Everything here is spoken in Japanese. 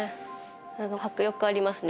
迫力ありますね。